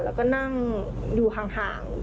แล้วก็นั่งอยู่ห่าง